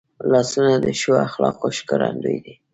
لاسونه د ښو اخلاقو ښکارندوی دي